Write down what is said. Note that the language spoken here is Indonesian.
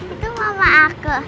itu mama aku